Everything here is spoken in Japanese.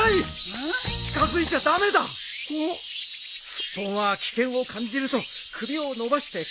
スッポンは危険を感じると首を伸ばしてかみつくんだ。